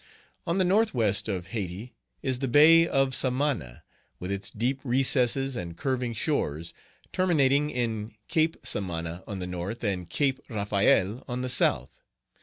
On the northwest of Hayti, is the Bay of Samana, with its deep recesses and curving shores, terminating in Cape Samana on the north, and Cape Raphael on the south.